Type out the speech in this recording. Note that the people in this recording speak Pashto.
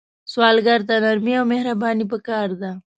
سوالګر ته نرمي او مهرباني پکار ده